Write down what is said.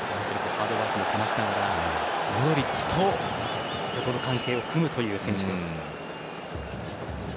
ハードワークもこなしながらモドリッチと横の関係を組むという選手です。